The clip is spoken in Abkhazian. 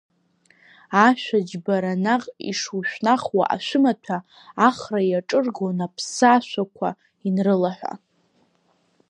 Ашәа џьбара наҟ ишушәнахуа ашәымаҭәа, Ахра иаҿыргон аԥсы ашәақәа инрылаҳәа.